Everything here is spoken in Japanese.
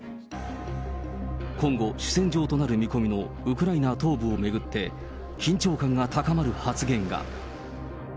今後、主戦場となる見込みのウクライナ東部を巡って、緊張感が高まる発言が。